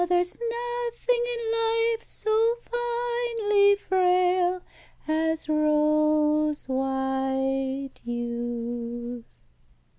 there's nothing in life so finely frail As rose white youth."